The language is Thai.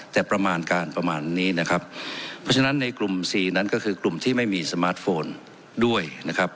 แต่ประมาณการประมาณนี้นะครับเพราะฉะนั้นในกลุ่มสี่นั้นก็คือกลุ่มที่ไม่มีสมาร์ทโฟนด้วยนะครับ